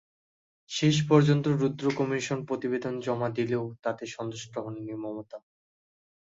শেষ পর্যন্ত রুদ্র কমিশন প্রতিবেদন জমা দিলেও তাতে সন্তুষ্ট হননি মমতা।